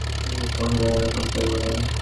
আর কক্ষনো এরকম করবে না!